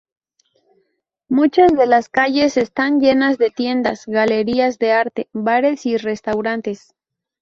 Muchas de las calles están llenas de tiendas, galerías de arte, bares y restaurantes.